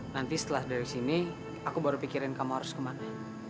nanti setelah dari sini aku baru pikirin kamu harus kemana